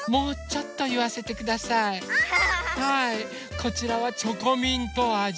こちらはチョコミントあじ。